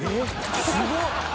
すごっ！